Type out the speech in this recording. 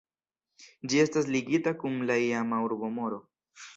Ĝi estas ligita kun la iama urbomuro.